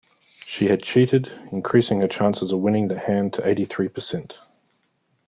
She had cheated, increasing her chances of winning the hand to eighty-three percent